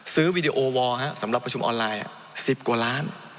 วีดีโอวอร์สำหรับประชุมออนไลน์๑๐กว่าล้าน